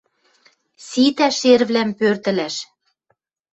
Ситӓ шервлӓм пӧртӹлӓш...»